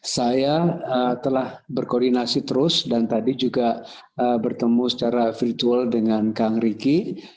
saya telah berkoordinasi terus dan tadi juga bertemu secara virtual dengan kang ricky